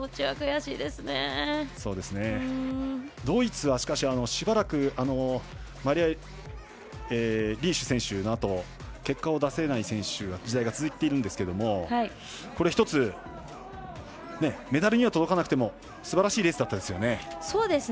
ドイツはしばらくリーシュ選手のあと結果を出せない時代が続いてるんですけれども１つ、メダルには届かなくてもすばらしいレースでしたよね。